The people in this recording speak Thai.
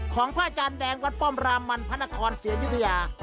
พระอาจารย์แดงวัดป้อมรามันพระนครศรีอยุธยา